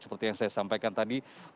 seperti yang saya sampaikan tadi